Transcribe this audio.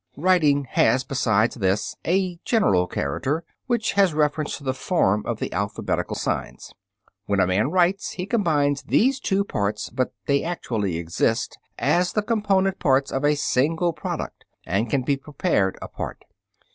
Writing has, besides this, a general character, which has reference to the form of the alphabetical signs. When a man writes he combines these two parts, but they actually exist as the component parts of a single product and can be prepared apart.